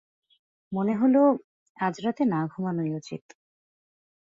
মনে হল, আজ রাতে না ঘুমানোই উচিত।